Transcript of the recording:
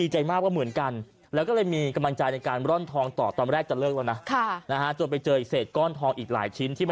แต่ยังไม่ได้ให้ร้านทองดีนะครับ